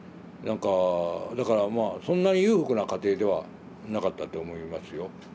なんかだからまあそんな裕福な家庭ではなかったと思いますよ。